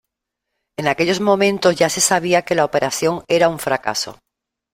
En aquellos momentos ya se sabía que la operación era un fracaso.